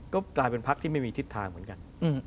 ก็กลายเป็นพักที่ไม่มีทิศทางเหมือนกัน